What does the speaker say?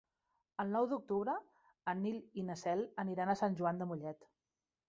El nou d'octubre en Nil i na Cel aniran a Sant Joan de Mollet.